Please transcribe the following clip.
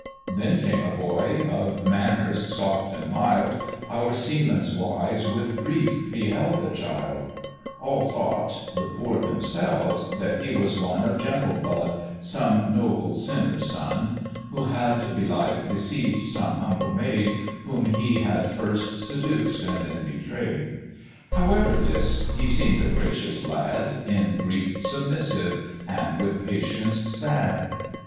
Then came a boy, of manners soft and mild, Our seamen's wives with grief beheld the child; All thought (the poor themselves) that he was one Of gentle blood, some noble sinner's son, Who had, belike, deceived some humble maid, Whom he had first seduced and then betray'd: However this, he seem'd a gracious lad, In grief submissive, and with patience sad.